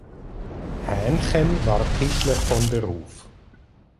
Hänchen war Tischler von Beruf.